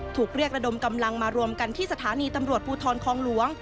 ถูกเรียกระดมกำลังมารวมกันที่สถานีตำรวจภูทรคองหลวง